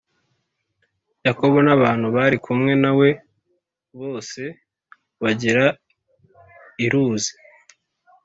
Yakobo n abantu bari kumwe na we bose bagera i Luzi